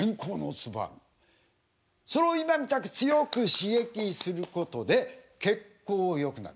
それを今みたく強く刺激することで血行よくなります。